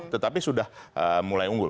tetapi sudah mulai unggul